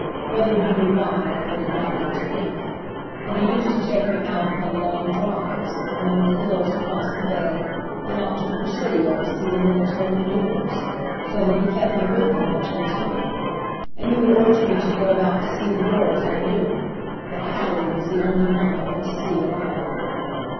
Whether he knew why, I did not like to think; but he used to take me out upon long drives, among the hills across the bay, and out to the Presidio to see the military maneuvers; so that he kept me with him much of the time. And he would urge me to go about to see the girls I knew; but Hallie was the only one I went to see at all.